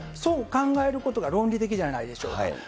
そう考えることが論理的じゃないでしょうか。